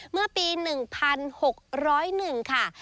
เมื่อปี๑๖๐๑ค่ะ